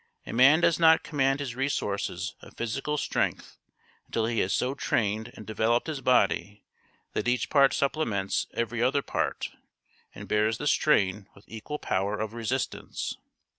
A man does not command his resources of physical strength until he has so trained and developed his body that each part supplements every other part and bears the strain with equal power of resistance.